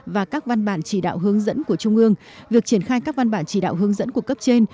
và các văn bản chỉ đạo hướng dẫn của trung ương việc triển khai các văn bản chỉ đạo hướng dẫn của cấp trên